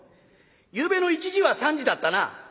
「ゆうべの１時は３時だったな？」。